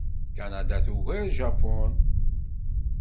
Kanada tugar Japun.